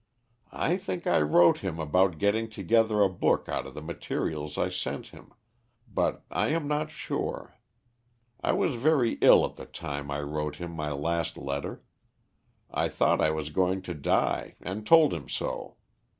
I think I wrote him about getting together a book out of the materials I sent him, but I am not sure. I was very ill at the time I wrote him my last letter. I thought I was going to die, and told him so.